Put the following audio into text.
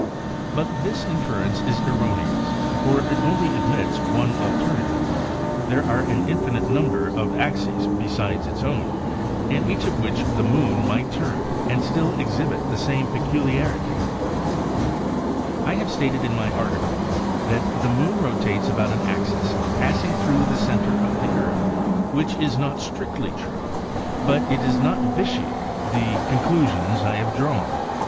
But this in . ference is erroneous, for it only admits of one alternative. There are an infinite number of axis besides its own in each of which the moon might turn and still exhibit the same peculiarity. I have stated in my article that the moon rotates about an axis passing thru the center of the earth, which is not strictly true, but it does not vitiate the By NIKOLA TESLA conclusions I have drawn.